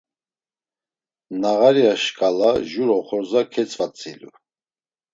Nağarya şǩala jur oxorza ketzvatzilu.